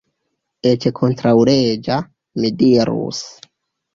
Eĉ kontraŭleĝa, mi dirus.